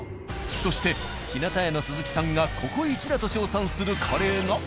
そして「ヒナタ屋」の鈴木さんがここイチだと称賛するカレーが。